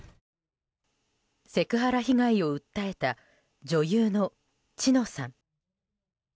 セクハラ被害を訴えた女優の知乃さん。